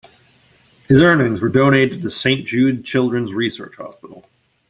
His earnings were donated to the Saint Jude Children's Research Hospital.